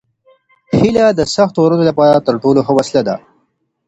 هیله د سختو ورځو لپاره تر ټولو ښه وسله ده.